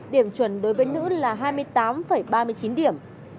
điểm chuẩn đối với nữ là hai mươi tám ba mươi chín điểm